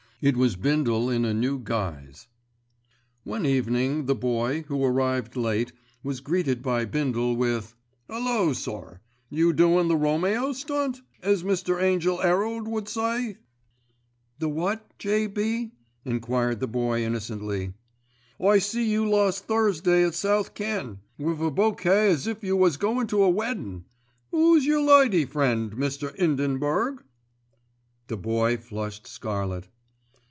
It was Bindle in a new guise. One evening the Boy, who arrived late, was greeted by Bindle with, "'Ullo! sir, you doin' the Romeo stunt? as Mr. Angell 'Erald would say." "The what, J.B.?" enquired the Boy innocently. "I see you last Thursday at South Ken. with a bowkay as if you was goin' to a weddin'. 'Ooo's yer lady friend, Mr. 'Indenburg?" The Boy flushed scarlet.